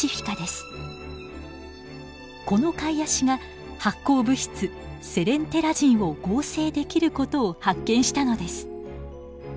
このカイアシが発光物質セレンテラジンを合成できる事を発見したのです。